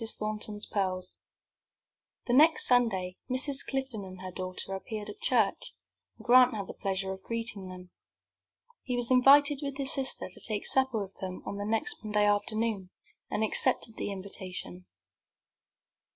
THORNTON'S PEARLS The next Sunday Mrs. Clifton and her daughter appeared at church, and Grant had the pleasure of greeting them. He was invited with his sister to take supper with them on the next Monday afternoon, and accepted the invitation.